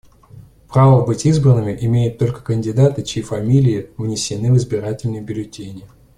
Право быть избранными имеют только кандидаты, чьи фамилии внесены в избирательные бюллетени.